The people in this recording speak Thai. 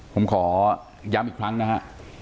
ผมขอย้ำอีกครั้งนะฮะ